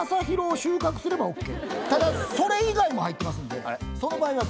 それ以外も入ってますんでその場合はダメ。